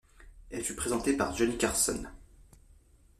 Elle fut présentée par Johnny Carson.